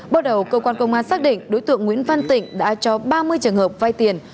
bước đầu cơ quan công an xác định đối tượng nguyễn văn tịnh đã cho ba mươi trường hợp vai tiền